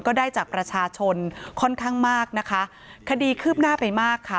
ได้จากประชาชนค่อนข้างมากนะคะคดีคืบหน้าไปมากค่ะ